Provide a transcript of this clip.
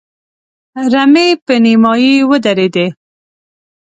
رمې په نيمايي ودرېدې.